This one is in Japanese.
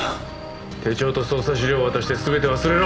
手帳と捜査資料を渡して全て忘れろ！